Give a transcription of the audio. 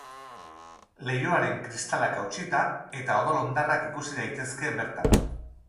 Leihoaren kristalak hautsita eta odol hondarrak ikus daitezke bertan.